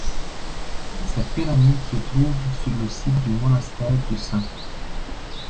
Cette pyramide se trouve sur le site du monastère de St.